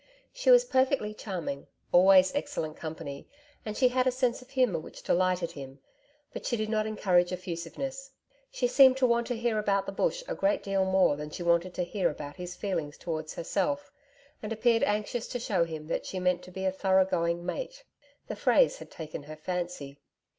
She was perfectly charming, always excellent company, and she had a sense of humour which delighted him, but she did not encourage effusiveness. She seemed to want to hear about the Bush a great deal more than she wanted to hear about his feelings towards herself, and appeared anxious to show him that she meant to be a thorough going 'mate.' The phrase had taken her fancy.